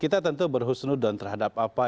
kita tentu berhusnudon terhadap apa